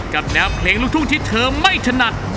กันแดมเพลงลุกทุ่งที่นรับเพลงได้